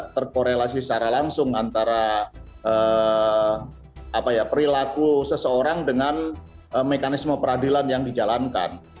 terkorelasi secara langsung antara perilaku seseorang dengan mekanisme peradilan yang dijalankan